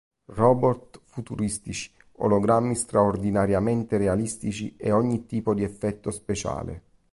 Robot futuristici, ologrammi straordinariamente realistici e ogni tipo di effetto speciale.